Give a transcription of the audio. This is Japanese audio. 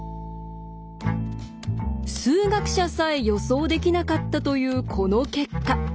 数学者さえ予想できなかったというこの結果。